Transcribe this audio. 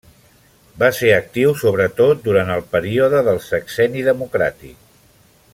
Va ser actiu sobretot durant el període del Sexenni Democràtic.